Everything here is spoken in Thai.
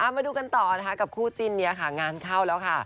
มาดูกันต่อนะคะกับคู่จิ้นนี้ค่ะงานเข้าแล้วค่ะ